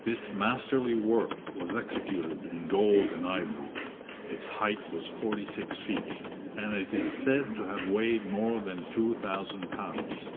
This masterly work was executed in gold and ivory; its height was forty six feet, and it is said to have weighed more than 2000 pounds.